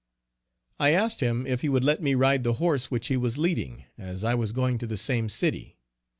I asked him if he would let me ride the horse which he was leading, as I was going to the same city?